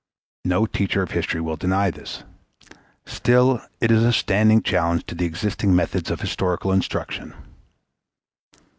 No teacher of history will deny this. Still it is a standing challenge to existing methods of historical instruction.